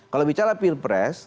kalau bicara pilpres